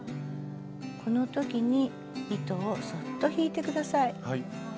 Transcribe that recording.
この時に糸をそっと引いて下さい。